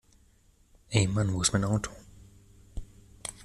Ey Mann, wo ist mein Auto?